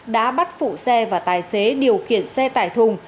đã bắt phụ xe và tài xế điều khiển xe tải thùng